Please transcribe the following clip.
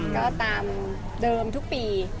ก็ตามเดิมทุกปี